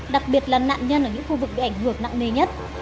đặc biệt là nạn nhân ở những khu vực gãy hược nặng mê nhất